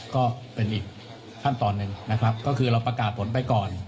ก็เป็นอีกขั้นตอนหนึ่งนะครับก็คือเราประกาศผลไปก่อน